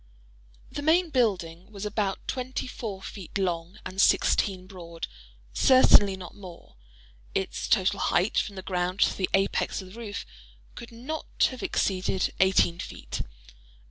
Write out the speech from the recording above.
The main building was about twenty four feet long and sixteen broad—certainly not more. Its total height, from the ground to the apex of the roof, could not have exceeded eighteen feet.